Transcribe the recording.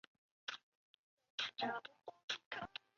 为现任台湾女科技人学会副理事长。